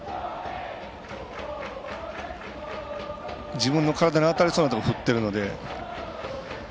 自分の体に当たりそうなところ振ってるので。